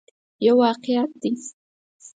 یو واقعیت دی.